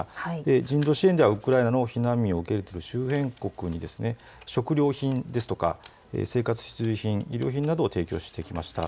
人道支援ではウクライナの避難民を受け入れる周辺国に食料品ですとか生活必需品、衣料品などを提供してきました。